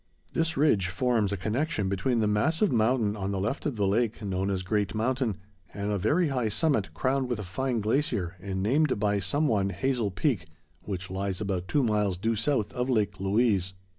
This ridge forms a connection between the massive mountain on the left of the lake, known as Great Mountain, and a very high summit, crowned with a fine glacier, and named by some one Hazel Peak, which lies about two miles due south of Lake Louise.